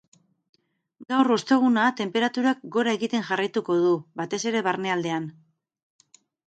Gaur, osteguna, tenperaturak gora egiten jarraituko du, batez ere barnealdean.